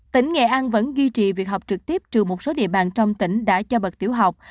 tỉnh nghệ an vẫn duy trì việc học trực tiếp trừ một số địa bàn trong tỉnh đã cho bậc tiểu học